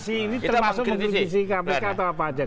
ini termasuk mengkritisi kpk atau apa aja